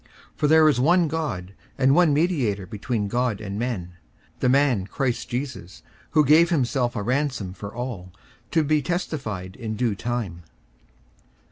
54:002:005 For there is one God, and one mediator between God and men, the man Christ Jesus; 54:002:006 Who gave himself a ransom for all, to be testified in due time.